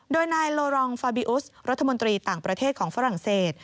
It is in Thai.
โดยนายโลรองฟาบิอุสรัฐมนตรีต่างประเทศของฝรั่งเศส